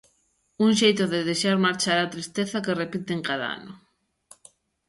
Un xeito de deixar marchar a tristeza que repiten cada ano.